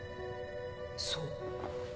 そう。